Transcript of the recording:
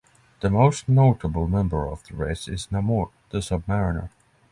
The most notable member of the race is Namor the Sub-Mariner.